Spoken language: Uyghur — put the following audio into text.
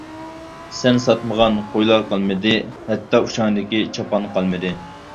سەن ساتمىغان قويلار قالمىدى، ھەتتا ئۇچاڭدىكى چاپان قالمىدى.